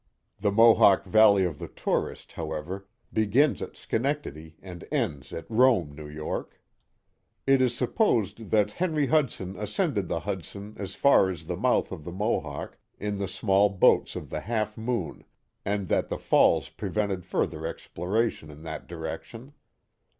The Mohawk Valley of the tourist, however, begins at Schenectady and ends at Rome, N. Y. It is supposed that Henry Hudson ascended the Hudson as far as the mouth of the Mohawk in the small boats of the Half Moon, and that the falls prevented further exploration in that direction.